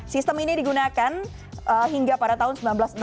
sistem ini digunakan hingga pada tahun seribu sembilan ratus enam puluh